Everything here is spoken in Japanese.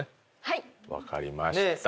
分かりました。